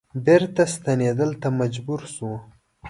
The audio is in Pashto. بیرته ستنیدلو ته مجبور شو.